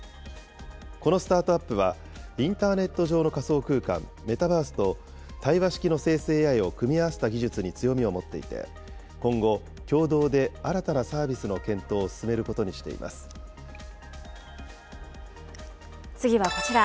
このスタートアップは、インターネット上の仮想空間、メタバースと対話式の生成ＡＩを組み合わせた技術に強みを持っていて、今後、共同で新たなサービスの検討を進めることにしていま次はこちら。